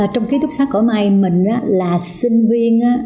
trong ký túc xác cỏ mai mình là sinh viên